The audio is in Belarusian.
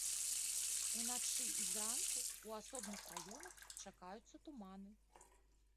Уначы і зранку ў асобных раёнах чакаюцца туманы.